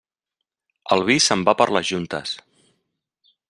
El vi se'n va per les juntes.